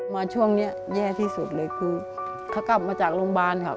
มาช่วงนี้แย่ที่สุดเลยคือเขากลับมาจากโรงพยาบาลครับ